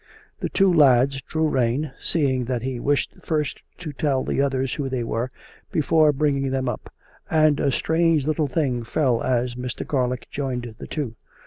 The two lads drew rein, seeing that he wished first to tell the others who they were, before bringing them up; and a strange little thing fell as Mr. Garlick joined the two.